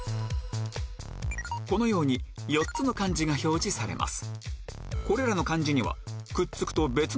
このように４つの漢字が表示されます